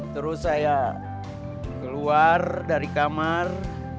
terus saya keluar dari kamar